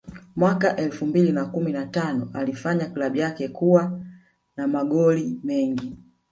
Mwaka elfu mbili na kumi na tano alifanya klabu yake kuwa na magori mengi